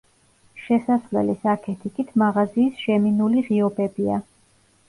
შესასვლელის აქეთ-იქით მაღაზიის შემინული ღიობებია.